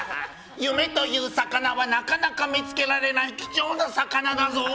夢という魚はなかなか見つけられない貴重な魚だぞ。